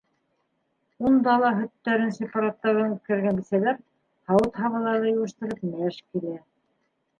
Унда ла һөттәрен сипараттарҙан үткәргән бисәләр һауыт-һабаларҙы йыуыштырып мәж килә.